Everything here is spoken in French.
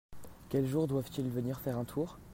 Quel jour doivent-ils venir faire un tour ?